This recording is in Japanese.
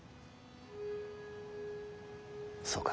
そうか。